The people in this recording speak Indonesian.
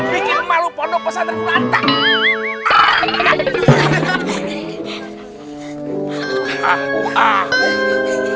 bikin malu pondok pesat terperantak